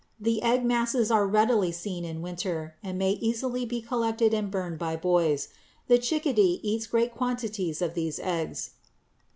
The egg masses are readily seen in winter and may easily be collected and burned by boys. The chickadee eats great quantities of these eggs.